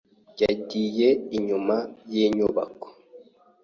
Yagiye inyuma yinyubako.